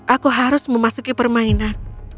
aku harus memasuki permainan